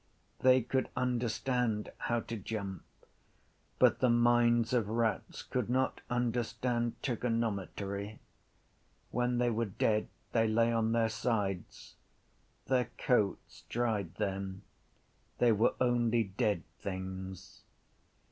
They could understand how to jump. But the minds of rats could not understand trigonometry. When they were dead they lay on their sides. Their coats dried then. They were only dead things.